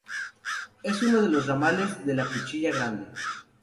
Es uno de los ramales de la Cuchilla Grande.